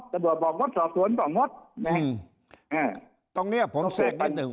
ตระบวดบอกหมดสอบส่วนบอกหมดอืมตรงเนี่ยผมแทรกได้หนึ่ง